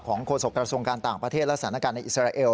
โฆษกระทรวงการต่างประเทศและสถานการณ์ในอิสราเอล